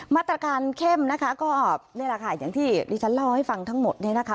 มาตรการเข้มนะคะก็นี่แหละค่ะอย่างที่ดิฉันเล่าให้ฟังทั้งหมดเนี่ยนะคะ